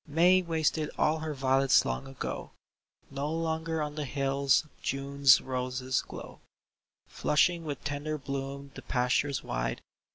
" May wasted all her violets long ago ; No longer on the hills June's roses glow, Flushing with tender bloom the pastures wide.